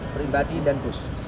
pribadi dan bus